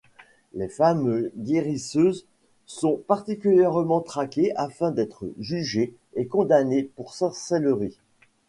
Les femmes guérisseuses sont particulièrement traquées afin d'être jugées et condamnées pour sorcellerie.